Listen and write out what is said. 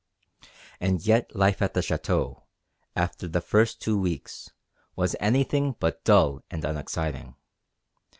And yet life at the Château, after the first two weeks, was anything but dull and unexciting.